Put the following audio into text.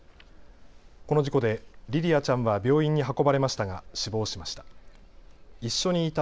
この事故で莉々華ちゃんは病院に運ばれましたが死亡しました。